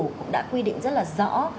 cũng đã quy định rất là rõ